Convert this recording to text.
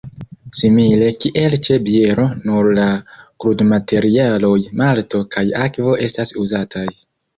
Simile kiel ĉe biero nur la krudmaterialoj malto kaj akvo estas uzataj.